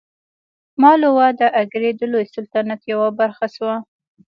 مالوه د اګرې د لوی سلطنت یوه برخه شوه.